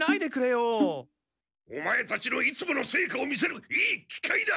オマエたちのいつもの成果を見せるいい機会だ。